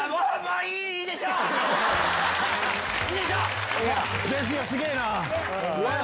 いいでしょう。